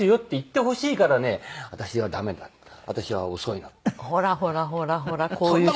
ほらほらほらほらこういう人。